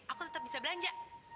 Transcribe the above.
aku tetep bisa belanja